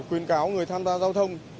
quyên cáo người tham gia giao thông